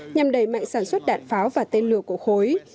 nhằm đẩy mạnh sản xuất đạn pháo và tên lửa của khối